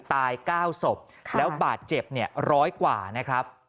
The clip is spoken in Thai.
ตาย๙ศพแล้วบาดเจ็บ๑๐๐กว่านะครับ